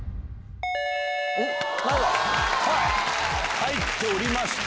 入っておりました。